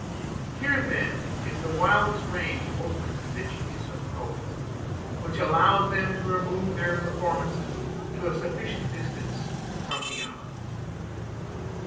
Here then is the wildest range open to the genius of poets, which allows them to remove their performances to a sufficient distance from the eye.